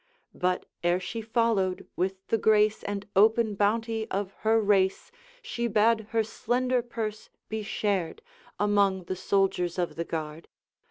But, ere she followed, with the grace And open bounty of her race, She bade her slender purse be shared Among the soldiers of the guard.